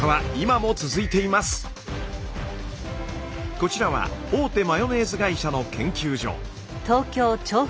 こちらは大手マヨネーズ会社の研究所。